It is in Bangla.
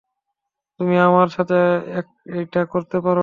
তুমি আমার সাথে এইটা করতে পারোনা।